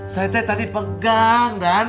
saya tadi pegang dan